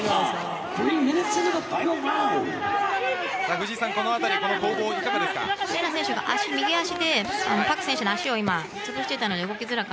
藤井さん、この辺りこの攻防いかがですか。